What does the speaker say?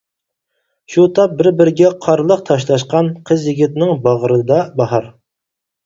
شۇ تاپ، بىر-بىرىگە قارلىق تاشلاشقان، قىز-يىگىتنىڭ باغرىدا باھار.